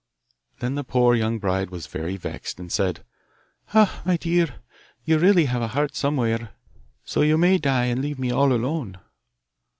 Then the poor young bride was very vexed, and said, 'Ah, my dear! you really have a heart somewhere, so you may die and leave me all alone.